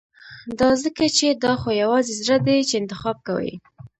دا ځکه چې دا خو يوازې زړه دی چې انتخاب کوي.